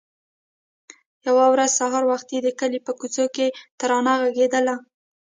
يوه ورځ سهار وختي د کلي په کوڅو کې ترانه غږېدله.